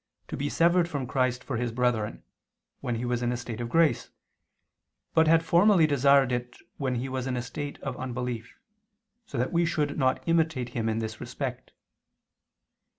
to be severed from Christ for his brethren, when he was in a state of grace, but had formerly desired it when he was in a state of unbelief, so that we should not imitate him in this respect.